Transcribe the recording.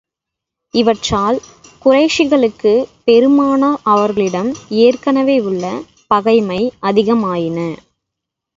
இவற்றால் குறைஷிகளுக்கு, பெருமானார் அவர்களிடம் ஏற்கனவே உள்ள பகைமை அதிகமாயின.